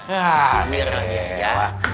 ya ini adalah jadilah